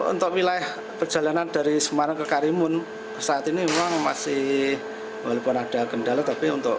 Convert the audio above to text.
untuk wilayah perjalanan dari semarang ke karimun saat ini memang masih walaupun ada kendala tapi untuk